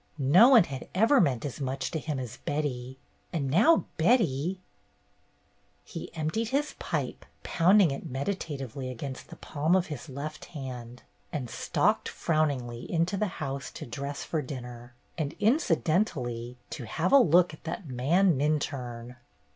No one had ever meant as much to him as Betty, and now Betty — He emptied his pipe, pounding it meditatively against the palm of his left hand, and stalked frowningly into the house to dress for dinner, and incidentally to have a look at that man Minturne